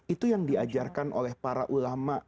itu yang diajarkan oleh para ulama